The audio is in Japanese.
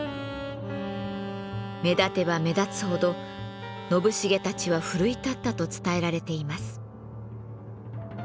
目立てば目立つほど信繁たちは奮い立ったと伝えられています。